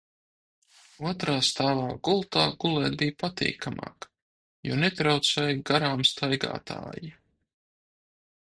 Otrā stāvā gultā gulēt bija patīkamāk, jo netraucēja garām staigātāji.